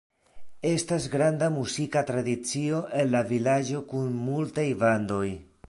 Estas granda muzika tradicio en la vilaĝo kun multaj bandoj.